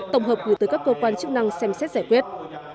tổng hợp gửi tới các cơ quan chức năng xem xét giải quyết